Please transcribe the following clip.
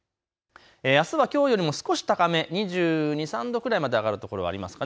あすはきょうよりも少し高め、２２、２３度くらいまで上がる所がありそうです。